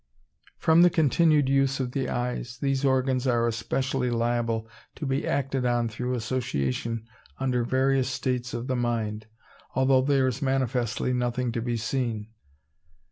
From the continued use of the eyes, these organs are especially liable to be acted on through association under various states of the mind, although there is manifestly nothing to be seen.